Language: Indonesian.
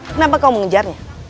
kenapa kau mengejarnya